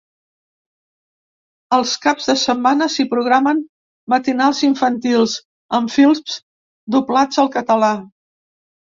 Els caps de setmana s’hi programen matinals infantils, amb films doblats al català.